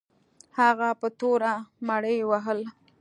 هغه په توره مړي وهل.